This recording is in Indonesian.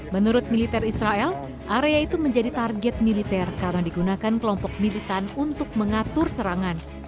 menurut militer israel area itu menjadi target militer karena digunakan kelompok militan untuk mengatur serangan